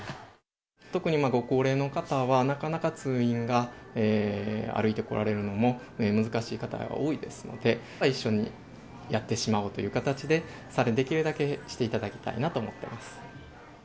特にご高齢の方は、なかなか通院が、歩いてこられるのも難しい方が多いですので、一緒にやってしまおうという形で、できるだけしていただきたいなと思ってます。